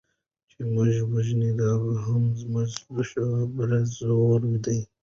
چي مو وژني دا هم زموږ د شهپر زور دی